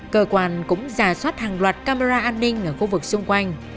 cơ quan cũng giả soát hàng loạt camera an ninh ở khu vực xung quanh